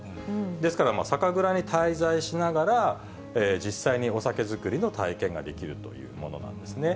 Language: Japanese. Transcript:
ですから酒蔵に滞在しながら、実際にお酒造りの体験ができるというものなんですね。